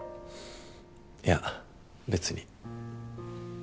いや別に。